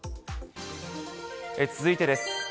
続いてです。